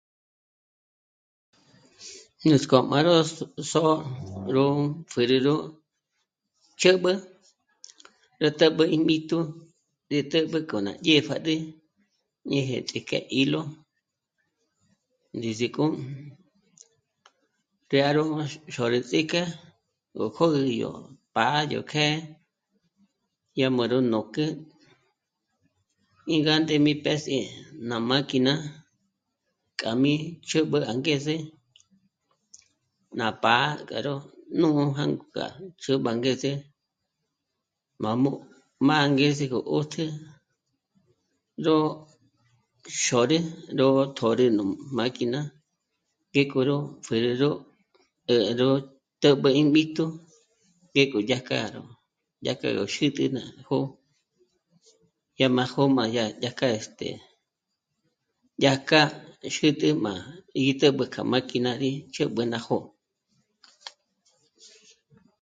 Nuts'k'ó má ró s..., sô'o ró pjǚrü ró chä̌b'ä, rá tä̌b'ä ím b'íjtu ndé t'ä̌b'ä k'o ná dyë́'ë pjâd'ü ñéje ts'íjk'e hilo, ndízik'o të́'ë́ à ró má xôrü ts'íjk'e gó kjö̌gü yó pá'a yó kjë̌'ë, yá mä̀rä nôk'ä mí gánde mí pés'i ná máquina k'a mí chä̌b'ä angeze, ná pá'a k'a ró nú'u jângo k'a chä̌b'ä angeze, má mò' mâ'a angeze gó 'ṓtjü ró xôrü, ró tjôrü nú máquina, ngék'o ró pjǚrü ró 'ë̌'ë ró tä́b'äji ím b'íjtu ngék'o dyá kjâ'a ró, yá kjâ'agö xǘtjü ná jó'o. Yá má jó'o má dyá kjâ'a, este..., yá kjâ'a xä́tjä má í tä̌b'ä k'a máquina rí chä̌b'ä ná jó'o